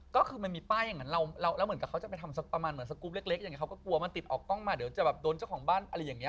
ก็คือมันมีป้ายอย่างนั้นแล้วเหมือนกับเขาจะไปทำสักประมาณเหมือนสกรูปเล็กอย่างนี้เขาก็กลัวมันติดออกกล้องมาเดี๋ยวจะแบบโดนเจ้าของบ้านอะไรอย่างนี้